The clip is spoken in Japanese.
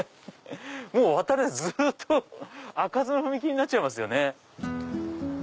もう渡れず開かずの踏切になっちゃいますよね。